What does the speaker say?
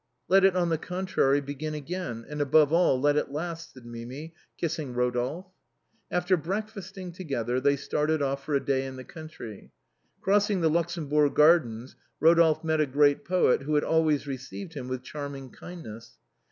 " Let it, on the contrary, begin again, and, above all, let it last," said Mimi, kissing Eodolphe. After breakfasting together they started off for a day in the country. Crossing the Luxembourg gardens Eodolphe met a great poet who had always received him with charm ing kindness.